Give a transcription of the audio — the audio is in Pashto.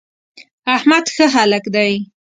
احمد ښه هلک دی.